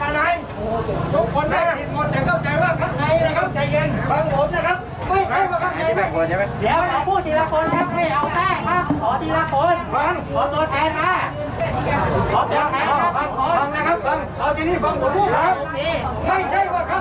ไม่ใช่ว่าคำใหญ่ว่าเมื่อกี้ไม่ซื้อคุณลงไปคุณก็อยู่ท่านล่างครับ